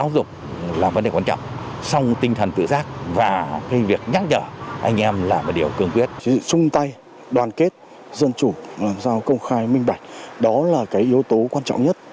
đó là cái yếu tố quan trọng nhất